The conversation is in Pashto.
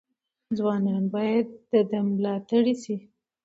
ځوانان باید د ده ملاتړي شي.